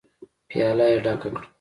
پياله يې ډکه کړه.